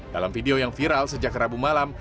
dalam video yang viral sejak rabu malam